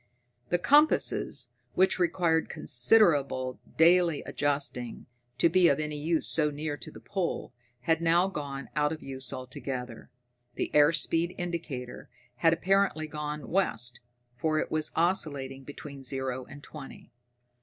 The compasses, which required considerable daily adjusting to be of use so near to the pole, had now gone out of use altogether. The air speed indicator had apparently gone west, for it was oscillating between zero and twenty.